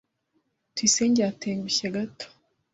Tuyisenge yatengushye gato.